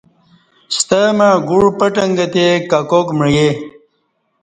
ستہ مع گوع پٹنگہ تے ککاک معیے